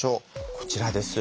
こちらです。